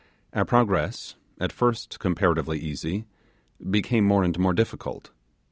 Our progress, at first comparatively easy, became more and more difficult.